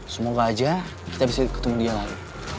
semoga aja kita bisa ketemu dia lagi